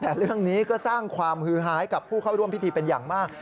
แต่เรื่องนี้ก็สร้างความฮือหายกับผู้เข้าร่วมพิธีเป็นอย่างมาก